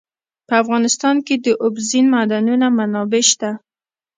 په افغانستان کې د اوبزین معدنونه منابع شته.